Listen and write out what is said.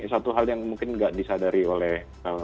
satu hal yang mungkin nggak disadari oleh para senior dan panitia itu